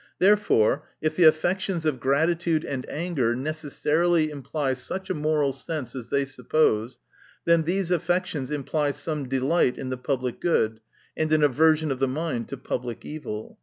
Therefore, if the affections of gratitude •and anger necessarily imply such a moral sense as they suppose, then these af fections imply some delight in the public good, and an aversion of the mind to public evil.